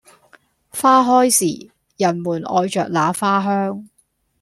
花開時；人們愛著那花香